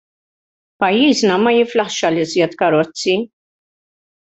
Pajjiżna ma jiflaħx għal iżjed karozzi.